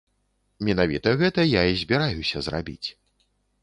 Менавіта гэта я і збіраюся зрабіць.